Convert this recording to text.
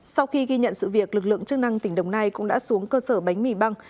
sau khi ghi nhận sự việc lực lượng chức năng tỉnh đồng nai cũng đã xuống cơ sở bánh mì băng